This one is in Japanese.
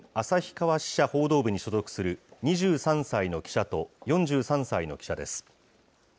旭川支社報道部に所属する２３歳の記者と、４３歳の記者です。